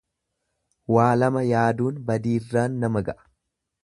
Waa lama yaaduun badiirraan nama ga'a.